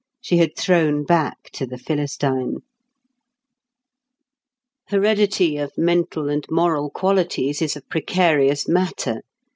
She had thrown back to the Philistine. Heredity of mental and moral qualities is a precarious matter.